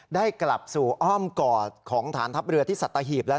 ได้กลับสู่อ้อมกอดของฐานทัพเรือที่สัตหีบแล้ว